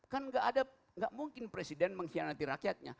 kan nggak mungkin presiden mengkhianati rakyatnya